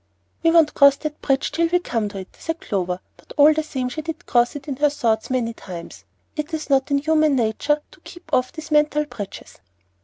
"We won't cross that bridge till we come to it," said Clover; but all the same she did cross it in her thoughts many times. It is not in human nature to keep off these mental bridges.